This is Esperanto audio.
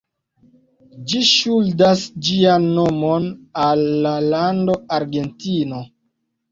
Ĝi ŝuldas ĝian nomon al la lando Argentino.